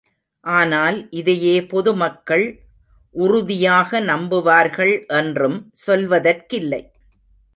ஆனால் இதையே பொதுமக்கள் உ.றுதியாக நம்புவார்கள் என்றும் சொல்வதற்கில்லை.